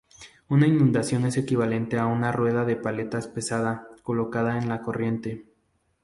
Una inducción es equivalente a una rueda de paletas pesada colocada en la corriente.